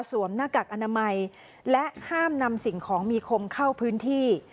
หน้ากากอนามัยและห้ามนำสิ่งของมีคมเข้าพื้นที่